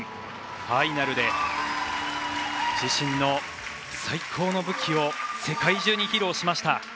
ファイナルで自身の最高の武器を世界中に披露しました。